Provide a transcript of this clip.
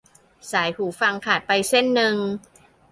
สายหูฟังขาดไปเส้นนึง :'